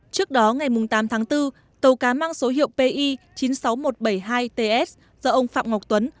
trước đó ngày tám tháng bốn tàu cá mang số hiệu pi chín mươi sáu nghìn một trăm bảy mươi hai ts do ông phạm ngọc tuấn